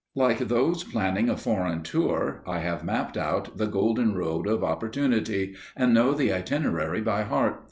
Like those planning a foreign tour, I have mapped out the golden road of Opportunity, and know the itinerary by heart.